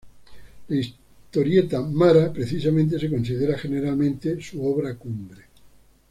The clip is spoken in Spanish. La historieta "Mara" precisamente se considera generalmente su obra cumbre.